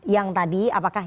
yang tadi apakah